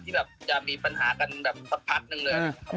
แบบจะมีปัญหากันแบบสักพักนึงเลย